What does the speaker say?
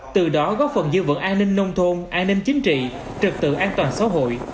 từ đó góp phần dư vận an ninh nông thôn an ninh chính trị trực tự an toàn xã hội